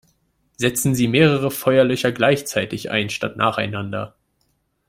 Setzen Sie mehrere Feuerlöscher gleichzeitig ein, statt nacheinander!